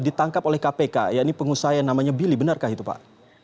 ditangkap oleh kpk ya ini pengusaha yang namanya billy benarkah itu pak